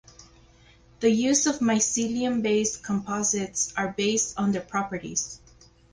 The use of mycelium based composites are based on their properties.